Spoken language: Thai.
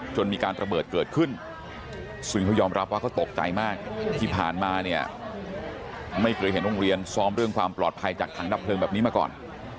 มีการระเบิดเกิดขึ้นซึ่งเขายอมรับว่าเขาตกใจมากที่ผ่านมาเนี่ยไม่เคยเห็นโรงเรียนซ้อมเรื่องความปลอดภัยจากถังดับเพลิงแบบนี้มาก่อน